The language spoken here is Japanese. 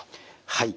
はい。